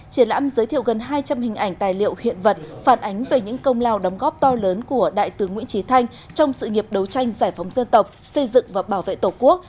triển lãm giới thiệu gần hai trăm linh hình ảnh tài liệu hiện vật phản ánh về những công lao đóng góp to lớn của đại tướng nguyễn trí thanh trong sự nghiệp đấu tranh giải phóng dân tộc xây dựng và bảo vệ tổ quốc